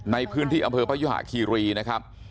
ในพื้นที่อำเภอพยุหะคีรีนะครับ